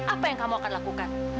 apa yang kamu akan lakukan